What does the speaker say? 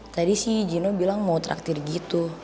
tadi sih gino bilang mau traktir gitu